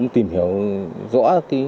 tìm hiểu rõ